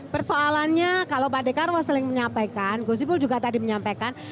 persoalannya kalau pak dekarwo sering menyampaikan gus ipul juga tadi menyampaikan